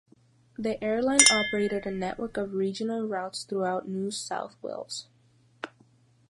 The airline operated a network of regional routes throughout New South Wales.